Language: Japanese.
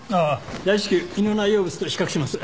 大至急胃の内容物と比較します。